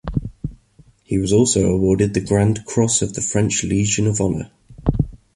He was also awarded the Grand Cross of the French Legion of Honour.